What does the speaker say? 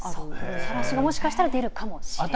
サラ氏が、もしかしたらでるかもしれない。